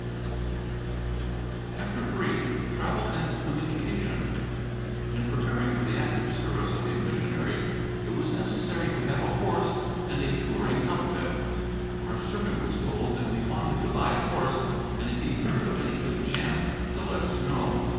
CHAPTER III TRAVEL AND COMMUNICATION In preparing for the active service of a missionary, it was necessary to have a horse and a touring outfit. Our servant was told that we wanted to buy a horse, and if he heard of any good chance, to let us know.